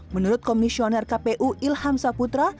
menurut komisioner kpu ilham saputra